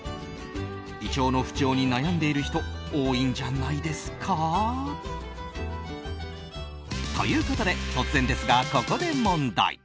胃腸の不調に悩んでいる人多いんじゃないですか？ということで突然ですが、ここで問題！